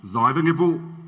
giỏi về nghiệp vụ